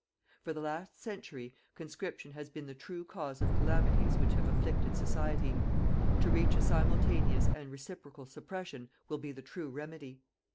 "For the last century, conscription has been the true cause of calamities which have afflicted society: to reach a simultaneous and reciprocal suppression will be the true remedy.